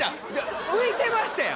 浮いてましたやん